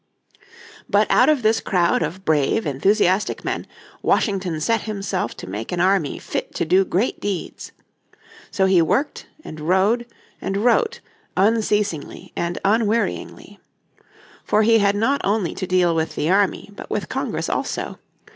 But out of this crowd of brave enthusiastic men, Washington set himself to make an army fit to do great deeds. So he worked, and rode, and wrote, unceasingly and unwearyingly. For he had not only to deal with the army but with Congress also.